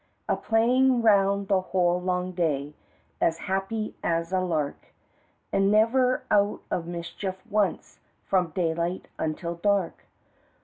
A playin' round the whole long day As happy as a lark, An' never out of mischief once From daylight until dark.